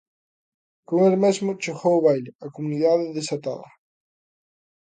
Con el mesmo chegou o baile, a Comunidade desatada.